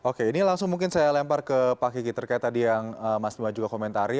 oke ini langsung mungkin saya lempar ke pak kiki terkait tadi yang mas bima juga komentari